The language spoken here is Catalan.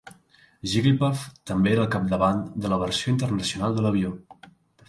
Jigglypuff també era al capdavant de la versió internacional de l'avió.